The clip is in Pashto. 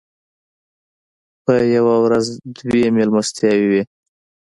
په یوه ورځ دوه مېلمستیاوې وې.